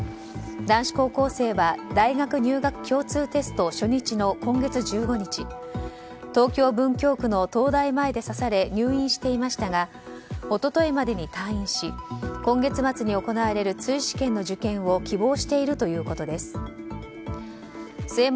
男子高校生は大学入学共通テスト初日の今月１５日東京・文京区の東大前で刺され入院していましたが一昨日までに退院し今月までに行われる追試験の受験を希望しているということです。